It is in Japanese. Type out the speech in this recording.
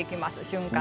瞬間